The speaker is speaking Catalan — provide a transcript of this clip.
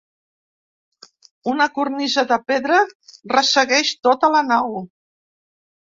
Una cornisa de pedra ressegueix tota la nau.